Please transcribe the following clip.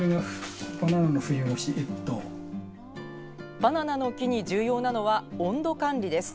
バナナの木に重要なのは温度管理です。